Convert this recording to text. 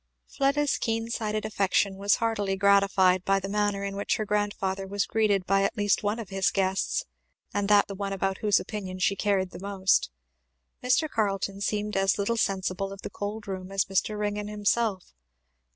Fleda's keen sighted affection was heartily gratified by the manner in which her grandfather was greeted by at least one of his guests, and that the one about whose opinion she cared the most. Mr. Carleton seemed as little sensible of the cold room as Mr. Ringgan himself.